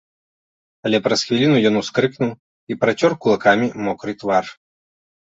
Але праз хвіліну ён ускрыкнуў і працёр кулакамі мокры твар.